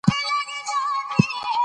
سوله ييزه سيالي تر جګړې ډېره غوره ده.